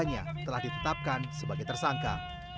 keduanya telah ditetapkan sebagai tersangka